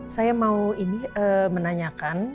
saya mau ini menanyakan